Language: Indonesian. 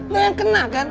lu yang kena kan